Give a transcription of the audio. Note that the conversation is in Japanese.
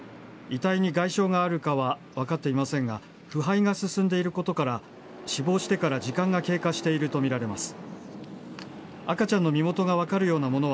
遺体に外傷があるかは分かっていませんが腐敗が進んでいることから死亡してから時間が経過しているとみられます。